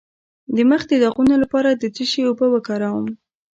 د مخ د داغونو لپاره د څه شي اوبه وکاروم؟